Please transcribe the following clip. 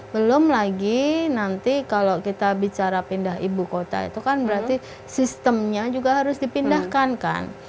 belum lagi nanti kalau kita bicara pindah ibu kota itu kan berarti sistemnya juga harus dipindahkan kan